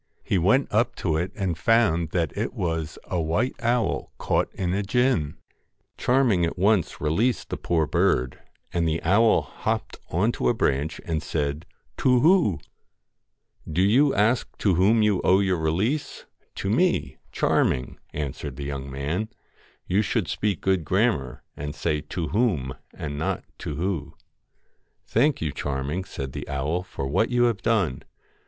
He went up to it and found that it was a white owl caught in a gin. Charming at once released the poor bird, and the owl hopped on to a branch, and said, ' To whoo !' 172 1 Do you ask to whom you owe your release? To me, THE FAIR Charming,' answered the young man :* you should MAID speak good grammar, and say To whom and not GOLDEN To who.' LOCKS 'Thank you, Charming,' said the owl, 'for what you have done.